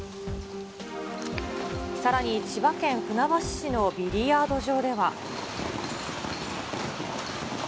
さらに千葉県船橋市のビリヤード場では。